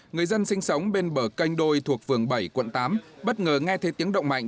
người dân sinh sống bên bờ canh đôi thuộc vườn bảy quận tám bất ngờ nghe thấy tiếng động mạnh